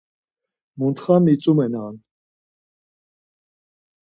“Muntxa mitzumenan!”